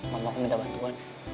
mama mau minta bantuan